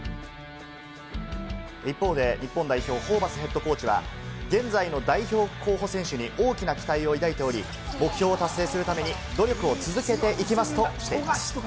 一方で日本代表・ホーバスヘッドコーチは現在の代表候補選手に大きな期待を抱いており、目標を達成するために努力を続けていきますとしています。